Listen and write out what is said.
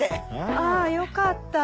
あぁよかった。